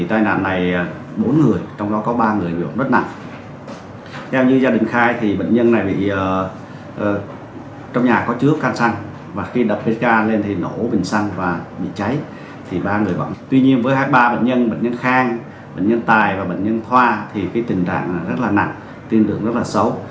tuy nhiên với hai ba bệnh nhân bệnh nhân khang bệnh nhân tài và bệnh nhân thoa thì tình trạng rất là nặng tiên lượng rất là xấu